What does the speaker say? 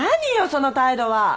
その態度は！